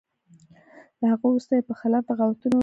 له هغه وروسته یې په خلاف بغاوتونه وشول.